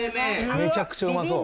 めちゃくちゃうまそう。